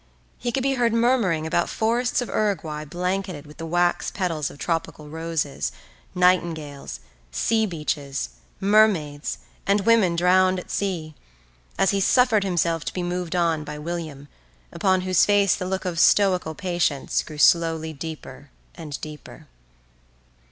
He could be heard murmuring about forests of Uruguay blanketed with the wax petals of tropical roses, nightingales, sea beaches, mermaids, and women drowned at sea, as he suffered himself to be moved on by William, upon whose face the look of stoical patience grew slowly deeper and deeper.